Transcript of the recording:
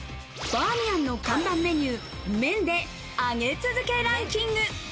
バーミヤンの看板メニュー、麺で上げ続けランキング。